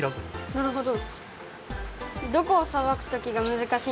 なるほど。